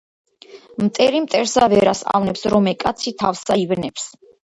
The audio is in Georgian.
მტერი მტერსა ვერას ავნებს, რომე კაცი თავსა ივნებს